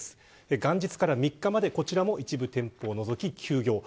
元日から３日まで一部店舗を除き休業。